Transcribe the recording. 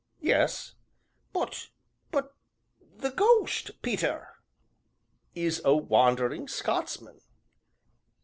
"Yes." "But but the ghost, Peter?" "Is a wandering Scotsman."